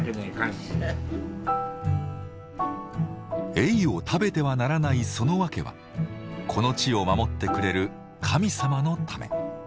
エイを食べてはならないその訳はこの地を守ってくれる神様のため。